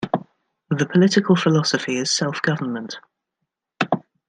The political philosophy is self-government.